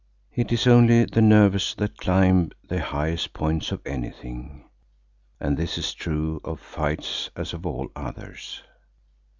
It is only the nervous that climb the highest points of anything, and this is true of fights as of all others.